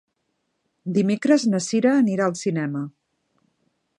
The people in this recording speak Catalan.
Dimecres na Cira anirà al cinema.